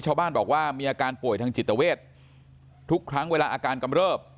ชาวบ้านบอกว่ามีอาการป่วยทางจิตเวททุกครั้งเวลาอาการกำเริบ